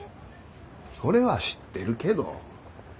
それは知ってるけど。